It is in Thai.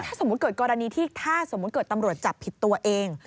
ถ้าสมมุติเกิดกรณีที่ถ้าสมมุติเกิดตำรวจจับผิดตัวเอง